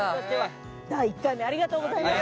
第１回目ありがとうございました。